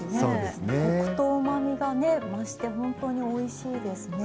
コクとうまみがね増してほんとにおいしいですね。